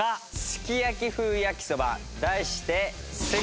すき焼き風焼きそば題して。